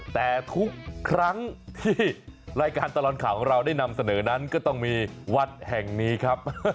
แต่ทุกครั้งที่รายการตลอดข่าวของเราได้นำเสนอนั้นก็ต้องมีวัดแห่งนี้ครับ